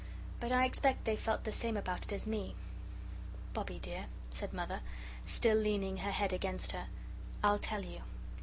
But I expect they felt the same about it as me." "Bobbie dear," said Mother, still leaning her head against her, "I'll tell you.